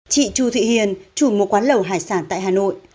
chị chu thị hiền chủ một quán lầu hải sản tại hà nội